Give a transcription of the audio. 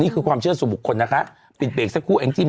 นี้คือความเชื่อสมุกคนนะคะปิดเบรกสักครู่อั๊ยอิ้งจิ๋ม